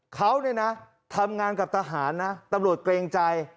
เขาเนี่ยนะทำงานกับทหารนะตำรวจเกรงใจ